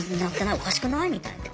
おかしくない？みたいな。